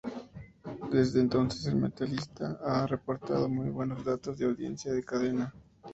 Desde entonces, 'El mentalista' ha reportado muy buenos datos de audiencia a la cadena.